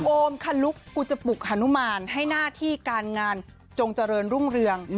โอมคลุกกูจะปลุกฮานุมานให้หน้าที่การงานจงเจริญรุ่งเรือง